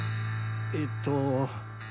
えっと。